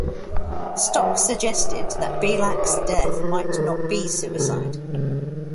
Stock suggested that Belak's death might not be suicide.